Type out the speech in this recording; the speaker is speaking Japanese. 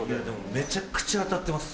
めちゃくちゃ当たってます。